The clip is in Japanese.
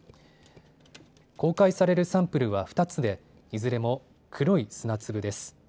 公開されるサンプルは２つでいずれも黒い砂粒です。